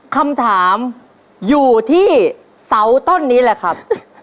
คำถามอยู่ที่เสาต้นนี้แหละครับ